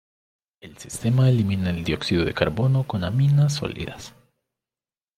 El sistema elimina el dióxido de carbono con aminas sólidas.